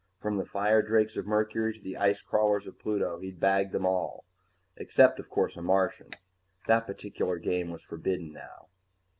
From the firedrakes of Mercury to the ice crawlers of Pluto, he'd bagged them all. Except, of course, a Martian. That particular game was forbidden now.